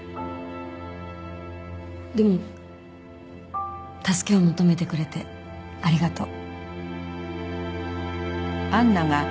でも助けを求めてくれてありがとう。